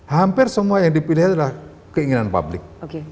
hampir semua yang dipilih adalah keinginan publik